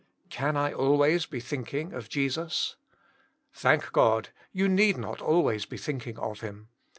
Can I always be thinking of Jesus ? Thank God, you need not always be thinking of Him.